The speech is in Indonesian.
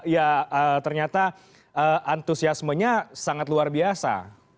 ya ternyata antusiasmenya sangat luar biasa